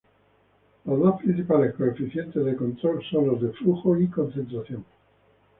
Los dos principales coeficientes de control son los de flujo y concentración.